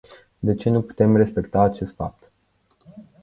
De ce nu putem respecta acest fapt?